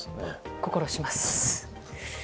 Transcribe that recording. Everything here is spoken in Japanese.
心します。